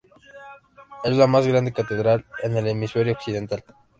Es la más grande catedral en el hemisferio Occidental.